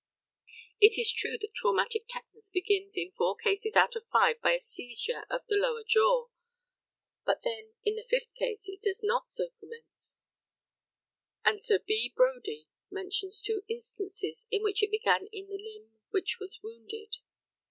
It is true that traumatic tetanus begins in four cases out of five by a seizure of the lower jaw; but then in the fifth case it does not so commence; and Sir B. Brodie mentions two instances in which it began in the limb which was wounded.